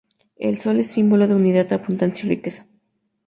El sol es símbolo de unidad, abundancia y riqueza.